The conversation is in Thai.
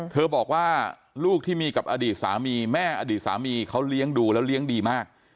บอกว่าลูกที่มีกับอดีตสามีแม่อดีตสามีเขาเลี้ยงดูแล้วเลี้ยงดีมาก